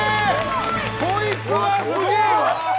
こいつはすげえわ！